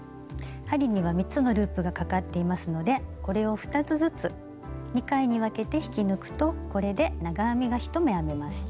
針には３つのループがかかっていますのでこれを２つずつ２回に分けて引き抜くとこれで長編みが１目編めました。